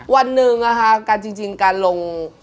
วันหนึ่งการลง